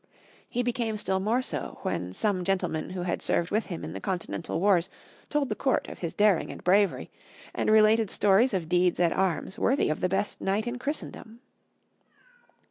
He became still more so when some gentlemen who had served with him in the continental wars told the court of his daring and bravery, and related stories of deeds at arms worthy of the best knight in Christendom.